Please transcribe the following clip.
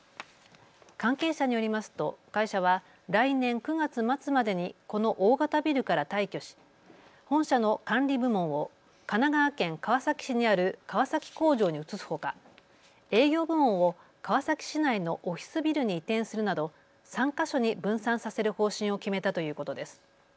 関係者によりますと、会社は来年９月末までにこの大型ビルから退去し本社の管理部門を神奈川県川崎市にある川崎工場に移すほか営業部門を川崎市内のオフィスビルに移転するなど３か所に分散させる方針を決めたということです。